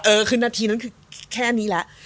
เออคือทันทีนั้นคือแค่นี้แหละ